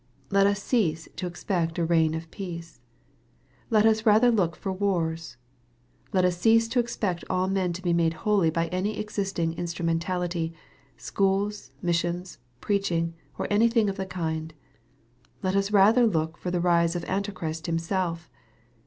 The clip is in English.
Let us cease to expect a reign of peace. Let us rather look for wars. Let us cease to expect all men to be made holy by any existing instrumentality 'Schools, missions, preach ing, or any thing of the kind. Let us rather look for the rise of Antichrist Himself.